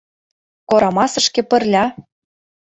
Корамасышке пырля!..